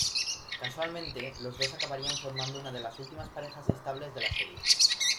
Casualmente, los dos acabarían formando una de las últimas parejas estables de la serie.